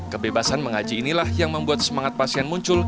kebebasan mengaji inilah yang membuat semangat pasien muncul